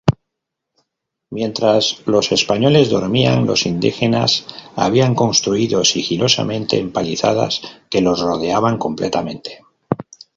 Mientras los españoles dormían, los indígenas habían construido sigilosamente empalizadas que los rodeaban completamente.